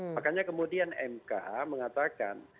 makanya kemudian mkh mengatakan